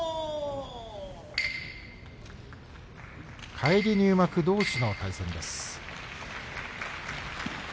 返り入幕どうしの対戦です。